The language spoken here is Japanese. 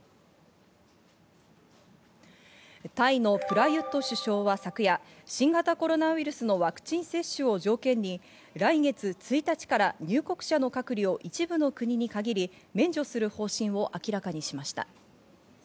タイのプラユット首相は昨夜、新型コロナウイルスのワクチン接種を条件に来月１日から入国者の隔離を一部の国に限り、免除する方針を明らかにしました。